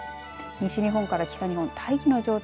西日本から北日本大気の状態